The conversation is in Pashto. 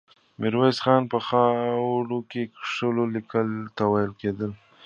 ميرويس خان په خاورو کې کښلو ليکو ته وکتل.